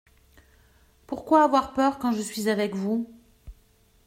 Pourquoi avoir peur quand je suis avec vous ?